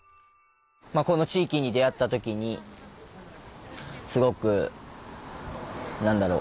この地域に出会った時にすごくなんだろう？